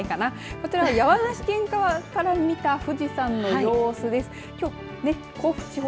こちら山梨県側から見た富士山の様子です。